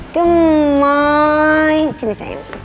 kemai sini sayang